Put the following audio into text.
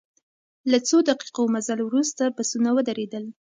له څو دقیقو مزل وروسته بسونه ودرېدل.